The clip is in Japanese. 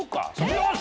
よし！